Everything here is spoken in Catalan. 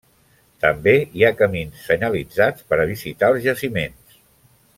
També hi ha camins senyalitzats per a visitar els jaciments.